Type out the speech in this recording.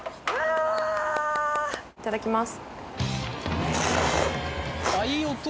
いただきます。